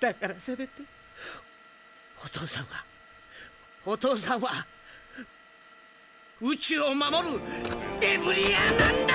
だからせめてお父さんはお父さんは宇宙を守るデブリ屋なんだ！